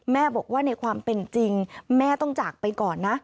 แม่บอกว่าในความเป็นจริงแม่ต้องจากไปก่อนนะ